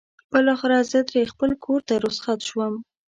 بالاخره زه ترې خپل کور ته رخصت شوم.